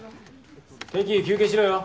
適宜休憩しろよ。